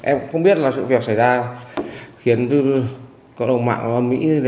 em không biết là sự việc xảy ra khiến cộng đồng mạng mỹ như thế em mới gọi bức xúc như vậy